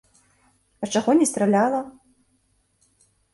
А чаго не страляла?